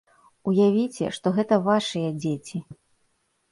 Уявіце, што гэта вашыя дзеці.